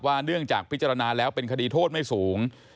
เนื่องจากพิจารณาแล้วเป็นคดีโทษไม่สูง